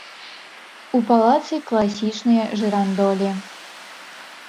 У палацы класічныя жырандолі.